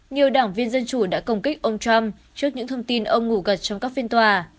nhiều đảng viên dân chủ đã công kích ông trump trước những thông tin ông ngủ gật trong các phiên tòa